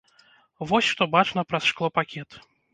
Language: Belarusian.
Вось што бачна праз шклопакет.